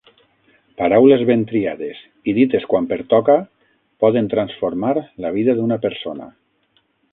Paraules ben triades i dites quan pertoca poden transformar la vida d'una persona.